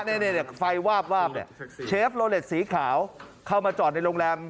เนี่ยไฟวาบวาบเนี่ยเชฟโลเลสสีขาวเข้ามาจอดในโรงแรม